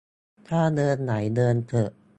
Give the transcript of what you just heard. ถ้าเดินไหว เดินเถอะ